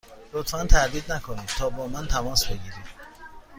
لطفا تردید نکنید تا با من تماس بگیرید.